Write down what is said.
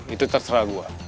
itu terserah gue